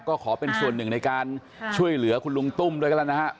ก็ขอเป็นส่วนหนึ่งในการช่วยเหลือคุณลุงตุ้มด้วยกันแล้วนะฮะ